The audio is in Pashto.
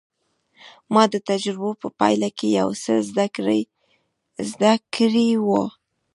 ما د تجربو په پايله کې يو څه زده کړي وو.